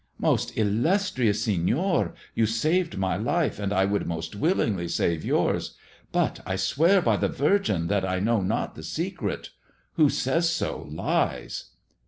" Most illustrious Senor, you saved my life, and I would most willingly save yours. But I swear by the Virgin that I know not the secret. Who says so lies."